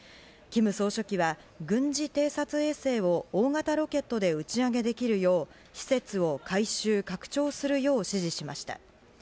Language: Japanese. キム総書記は軍事偵察衛星を大型ロケットで打ち上げできるよう施設を改修・拡張するよう指示しました。